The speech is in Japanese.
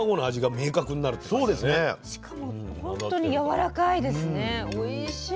しかもほんとにやわらかいですね。